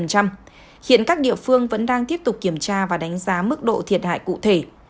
hiện các địa phương vẫn đang tiếp tục kiểm tra và đánh giá mức độ thiệt hại cụ thể